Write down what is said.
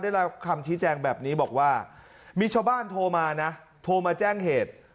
ได้รับคำชี้แจงแบบนี้บอกว่ามีชาวบ้านโทรมานะโทรมาแจ้งเหตุ